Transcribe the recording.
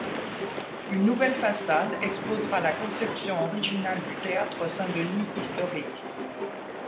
Une nouvelle façade exposera la conception originale du Théâtre Saint-Denis historique.